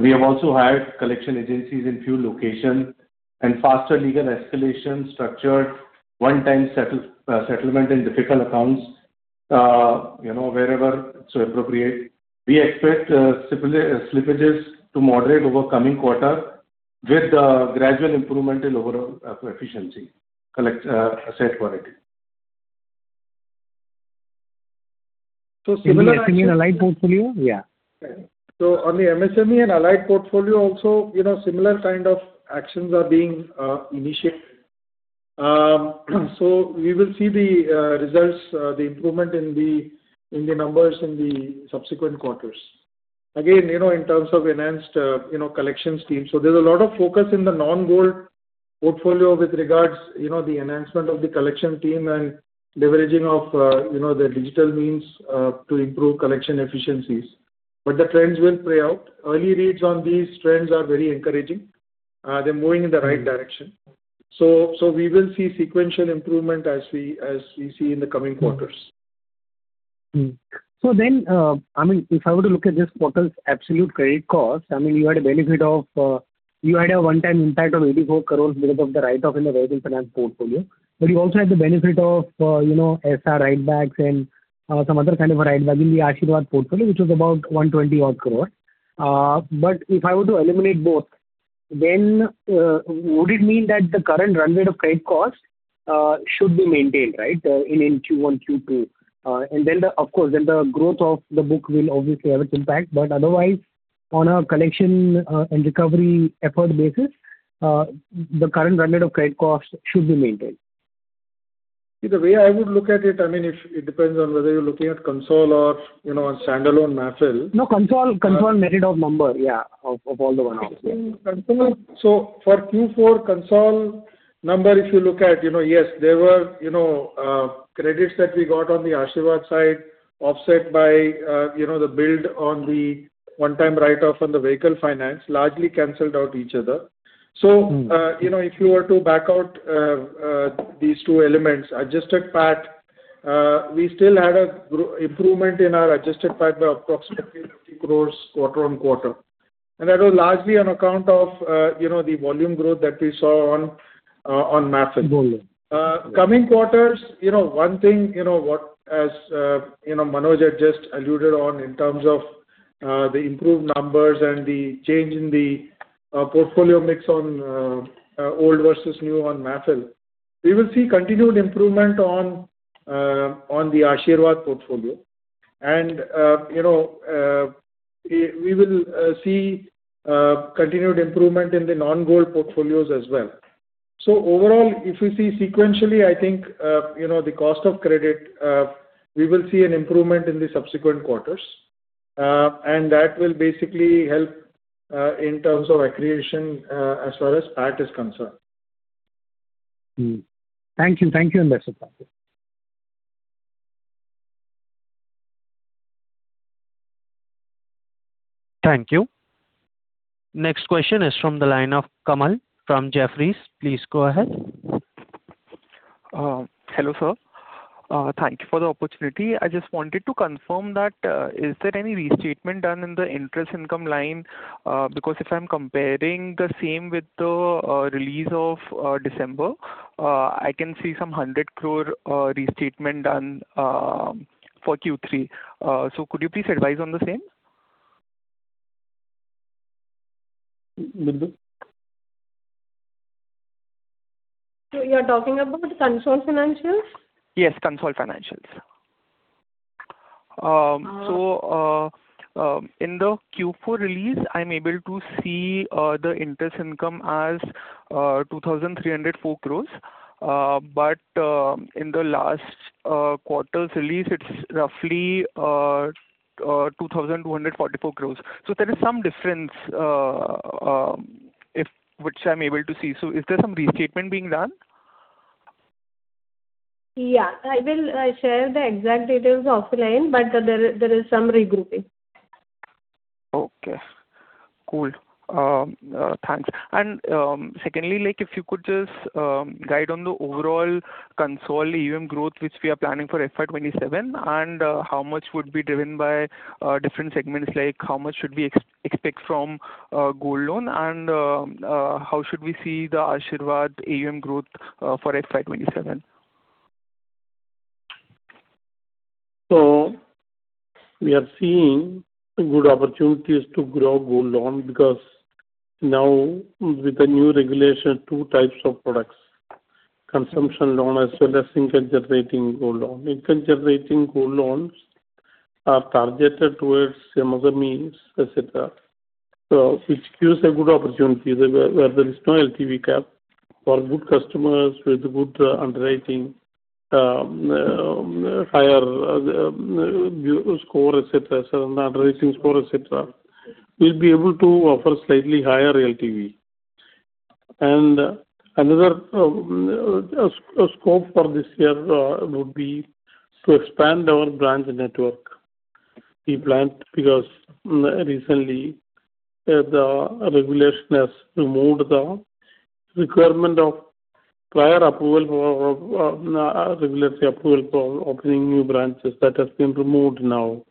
Speaker 12: We have also hired collection agencies in few locations and faster legal escalation, structured one-time settlement in difficult accounts, you know, wherever it's appropriate. We expect slippages to moderate over coming quarter with a gradual improvement in overall efficiency, collect, asset quality.
Speaker 11: Similar action in allied portfolio? Yeah.
Speaker 4: On the MSME and allied portfolio also, you know, similar kind of actions are being initiated. We will see the results, the improvement in the numbers in the subsequent quarters. You know, in terms of enhanced, you know, collections team, there's a lot of focus in the non-gold portfolio with regards, you know, the enhancement of the collection team and leveraging of, you know, the digital means to improve collection efficiencies. The trends will play out. Early reads on these trends are very encouraging. They're moving in the right direction. We will see sequential improvement as we see in the coming quarters.
Speaker 11: I mean, if I were to look at this quarter's absolute credit cost, I mean, you had a benefit of, you had a one-time impact of 84 crore because of the write off in the vehicle finance portfolio. You also had the benefit of, you know, SR write-backs and, some other kind of a write-back in the Asirvad portfolio, which was about 120 odd crore. If I were to eliminate both, would it mean that the current runway of credit cost should be maintained, right, in Q1, Q2? Of course, the growth of the book will obviously have its impact. Otherwise, on a collection, and recovery effort basis, the current runway of credit cost should be maintained.
Speaker 3: See, the way I would look at it, I mean, if it depends on whether you're looking at Consol or, you know, a standalone MAFIL.
Speaker 11: No, Consol net of number, yeah, of all the ones. Yeah.
Speaker 3: I think Consol, so for Q4 Consol number, if you look at, you know, yes, there were, you know, credits that we got on the Asirvad side offset by, you know, the build on the one-time write-off on the vehicle finance largely canceled out each other.
Speaker 11: Mm.
Speaker 3: You know, if you were to back out, these two elements, adjusted PAT, we still had a improvement in our adjusted PAT by approximately 50 crores quarter-over-quarter. That was largely on account of, you know, the volume growth that we saw on MAFIL volume. coming quarters, you know, one thing, you know, what as, you know, Manoj had just alluded on in terms of the improved numbers and the change in the portfolio mix on old versus new on MAFIL. We will see continued improvement on the Asirvad portfolio. You know, we will see continued improvement in the non-gold portfolios as well. Overall, if you see sequentially, I think, you know, the cost of credit, we will see an improvement in the subsequent quarters. That will basically help in terms of accretion as far as PAT is concerned.
Speaker 11: Thank you. Thank you [inaudible]
Speaker 1: Thank you. Next question is from the line of Kamal from Jefferies. Please go ahead.
Speaker 13: Hello sir. Thank you for the opportunity. I just wanted to confirm that, is there any restatement done in the interest income line? Because if I'm comparing the same with the release of December, I can see some 100 crore restatement done for Q3. Could you please advise on the same?
Speaker 3: Bindu
Speaker 6: You're talking about Consol financials?
Speaker 13: Yes, Consol Financials. In the Q4 release, I'm able to see the interest income as 2,304 crores. But in the last quarter's release, it's roughly 2,244 crores. There is some difference if which I'm able to see. Is there some restatement being done?
Speaker 6: Yeah. I will share the exact details offline, but there is some regrouping.
Speaker 13: Okay. Cool. Thanks. Secondly, like if you could just guide on the overall Consol AUM growth, which we are planning for FY 2027, and how much would be driven by different segments. Like, how much should we expect from gold loan and how should we see the Asirvad AUM growth for FY 2027?
Speaker 3: We are seeing good opportunities to grow gold loan because now with the new regulation, two types of products, consumption loan as well as income generating gold loan. Income generating gold loans are targeted towards some other means, et cetera. Which gives a good opportunity where there is no LTV cap for good customers with good underwriting, higher score, et cetera, certain underwriting score, et cetera. We'll be able to offer slightly higher LTV. Another scope for this year would be to expand our branch network. We planned because recently the regulation has removed the requirement of prior approval for regulatory approval for opening new branches. That has been removed now.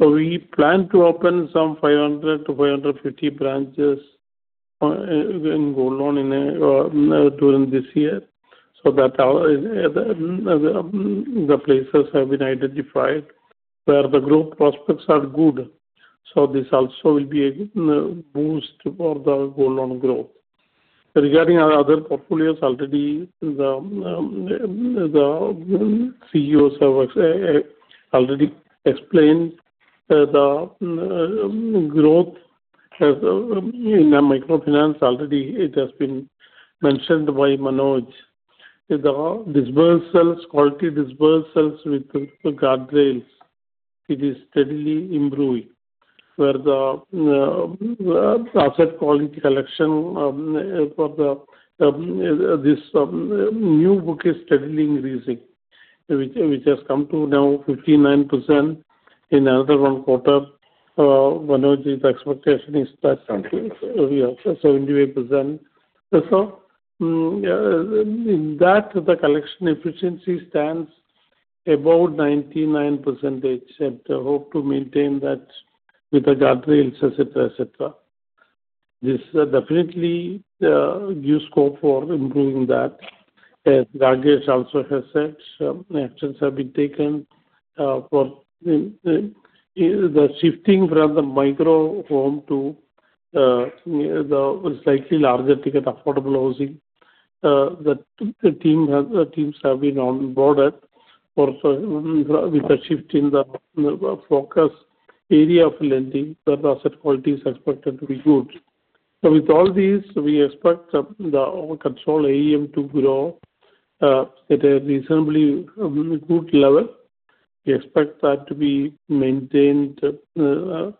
Speaker 3: We plan to open some 500-550 branches in gold loan during this year. The places have been identified where the growth prospects are good. This also will be a boost for the gold loan growth. Regarding our other portfolios, already the CEO has already explained the growth has in the microfinance already it has been mentioned by Manoj. The disbursement, quality disbursements with the guardrails, it is steadily improving. Where the asset quality collection for this new book is steadily increasing. Which has come to now 59%. In another one quarter, Manoj's expectation is that.
Speaker 13: 78%.
Speaker 3: Yeah, 78%. In that the collection efficiency stands above 99% and hope to maintain that with the guardrails, et cetera, et cetera. This definitely gives scope for improving that. As Rakesh also has said, some actions have been taken for the shifting from the micro home to, you know, the slightly larger ticket affordable housing. The teams have been onboarded for, with the shift in the focus area of lending, the asset quality is expected to be good. With all these, we expect the overall control AUM to grow at a reasonably good level. We expect that to be maintained much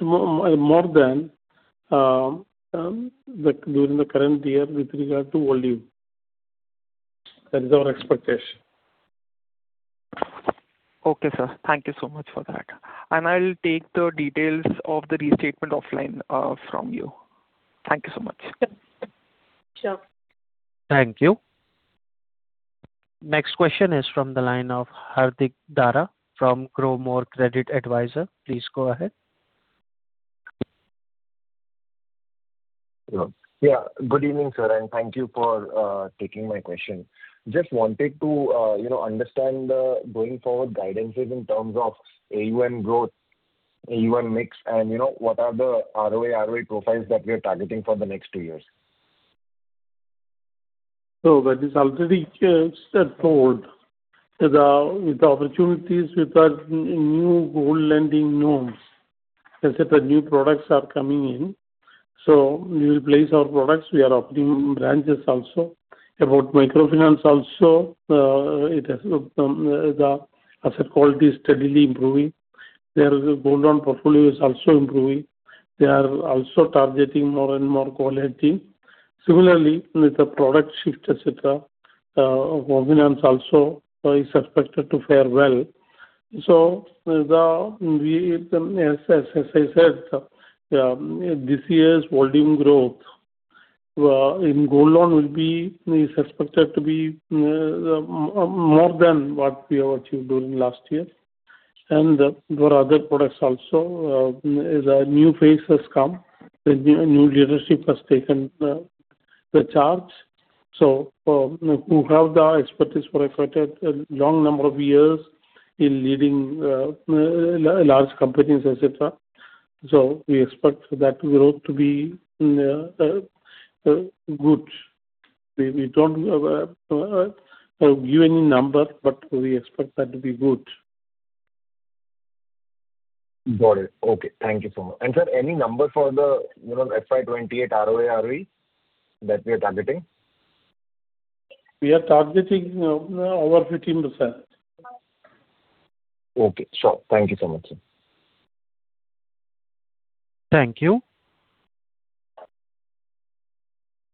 Speaker 3: more than the during the current year with regard to volume. That is our expectation.
Speaker 13: Okay, sir. Thank you so much for that. I'll take the details of the restatement offline, from you. Thank you so much.
Speaker 6: Sure.
Speaker 1: Thank you. Next question is from the line of Hardik Dara from Growmore Credit Advisory. Please go ahead.
Speaker 14: Yeah. Good evening, sir, and thank you for taking my question. Just wanted to, you know, understand the going forward guidances in terms of AUM growth, AUM mix, and you know, what are the ROA, ROE profiles that we are targeting for the next two years.
Speaker 3: That is already, sir, told. With the opportunities with our new gold lending norms, et cetera, new products are coming in. We will place our products. We are opening branches also. About microfinance also, it has, the asset quality is steadily improving. Their gold loan portfolio is also improving. They are also targeting more and more quality. Similarly, with the product shift, et cetera, Home finance also, is expected to fare well. As I said, this year's volume growth in gold loan will be, is expected to be more than what we have achieved during last year. For other products also, the new face has come. The new leadership has taken the charge. Who have the expertise for a quite a long number of years in leading large companies, et cetera. We expect that growth to be good. We don't give any number, but we expect that to be good.
Speaker 14: Got it. Okay. Thank you so much. Sir, any number for the, you know, FY 2028 ROA, ROE that we are targeting?
Speaker 3: We are targeting over 15%.
Speaker 14: Okay. Sure. Thank you so much, sir.
Speaker 1: Thank you.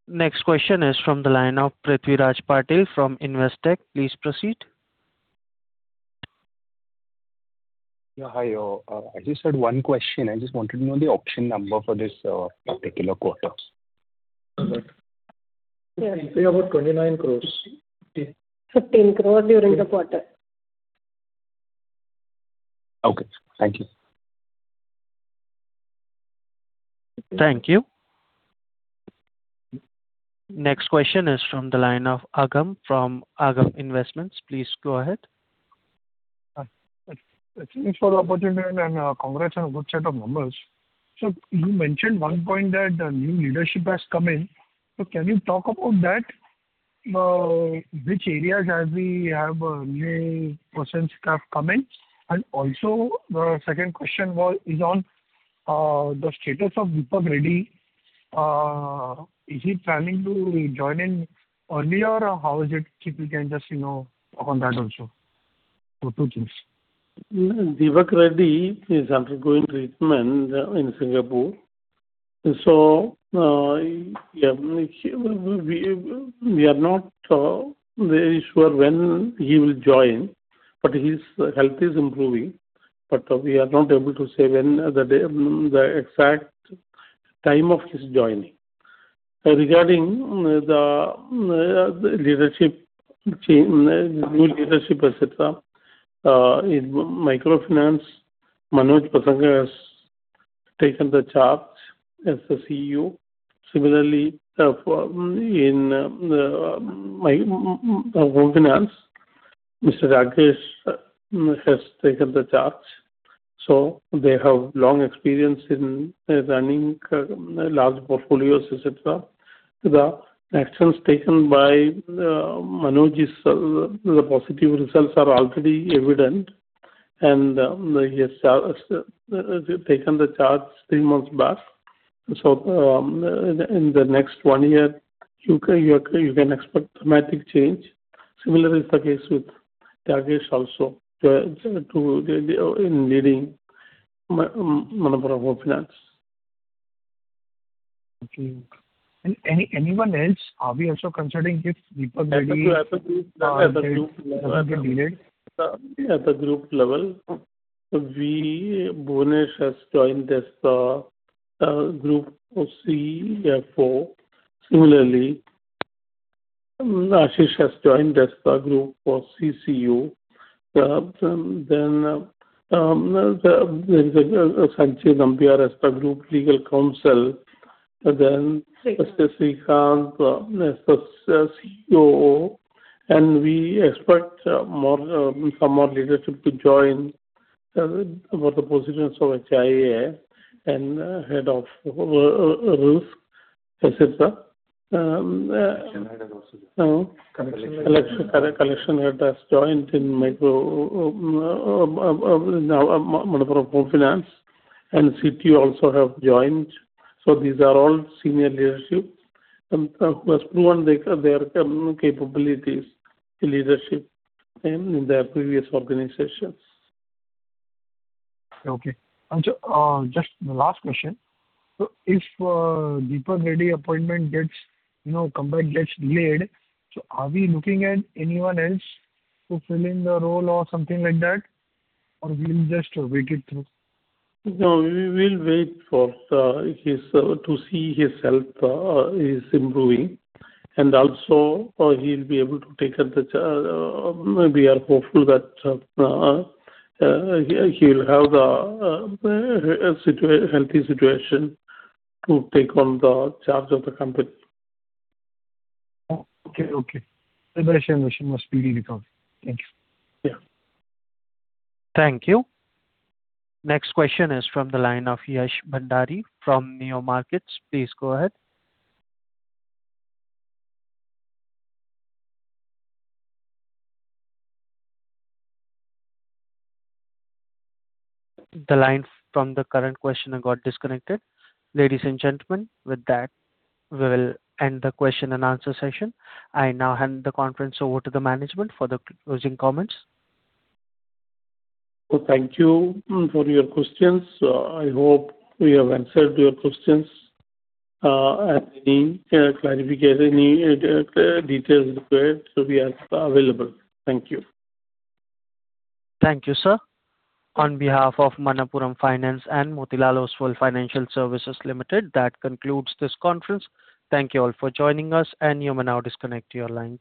Speaker 1: Next question is from the line of Prithviraj Patil from Investec. Please proceed.
Speaker 15: Yeah, hi. I just had one question. I just wanted to know the option number for this particular quarter.
Speaker 3: About 29 crores.
Speaker 6: 15 crore during the quarter.
Speaker 15: Okay. Thank you.
Speaker 1: Thank you. Next question is from the line of Agam from Agam Investments. Please go ahead.
Speaker 16: Thanks for the opportunity and congrats on a good set of numbers. You mentioned one point that new leadership has come in. Can you talk about that? Which areas has we have new persons have come in? Second question was, is on the status of Deepak Reddy. Is he planning to join in early or how is it? If you can just, you know, talk on that also. Two things.
Speaker 3: Deepak Reddy is undergoing treatment in Singapore. We are not very sure when he will join, but his health is improving. We are not able to say when the exact time of his joining. Regarding the leadership team, new leadership, et cetera, in microfinance, Manoj Pasangha has taken the charge as the CEO. Similarly, for in Home Finance, Mr. Rakesh Sharma has taken the charge. They have long experience in running large portfolios, et cetera. The actions taken by Manoj is the positive results are already evident. He has taken the charge three months back. In the next one year, you can expect dramatic change. Similarly is the case with Thyagesh also, to in leading Manappuram Finance.
Speaker 16: Okay. Any, anyone else? Are we also considering if Deepak Reddy-
Speaker 3: At the group level, Buvanesh has joined as the Group CFO. Similarly, Ashish has joined as the Group CCO. There is Sanjay Nambiar as the Group Legal Counsel. Srikanth as the COO. We expect more, some more leadership to join for the positions of HIA and Head of Risk, et cetera. Collection Head has also joined. Collection Head has joined in Manappuram Finance. CTO also have joined. These are all senior leadership who has proven their capabilities to leadership in their previous organizations.
Speaker 16: Okay. Just the last question. If Deepak Reddy appointment gets, you know, comeback gets delayed, are we looking at anyone else to fill in the role or something like that, or we'll just wait it through?
Speaker 3: No, we will wait for his to see his health is improving. Also, he'll be able to take up the charge. We are hopeful that he'll have the healthy situation to take on the charge of the company.
Speaker 16: Okay, okay.
Speaker 3: Thank you.
Speaker 16: Yeah.
Speaker 1: Thank you. Next question is from the line of Yash Bhandari from Neo Markets. Please go ahead. The line from the current questioner got disconnected. Ladies and gentlemen, with that, we will end the question and answer session. I now hand the conference over to the management for the closing comments.
Speaker 3: Thank you for your questions. I hope we have answered your questions. Any clarification, any details required, so we are available. Thank you.
Speaker 1: Thank you, sir. On behalf of Manappuram Finance and Motilal Oswal Financial Services Limited, that concludes this conference. Thank you all for joining us, and you may now disconnect your lines.